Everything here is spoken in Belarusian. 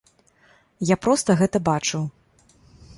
Я проста гэта бачыў.